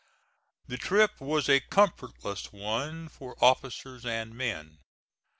The trip was a comfortless one for officers and men.